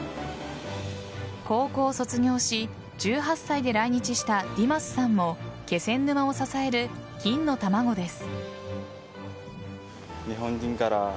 高校を卒業し１８歳で来日したディマスさんも気仙沼を支える金の卵です。